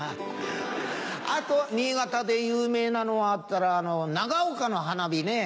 あと新潟で有名なのあったら長岡の花火ね。